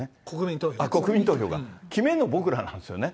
国民投票か、決めんの僕らなんですよね。